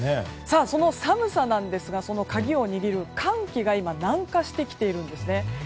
その寒さなんですがその鍵を握る寒気が今、南下してきているんですね。